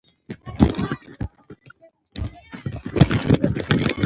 دروازه خلاصه شوه او عسکر فریدګل راوست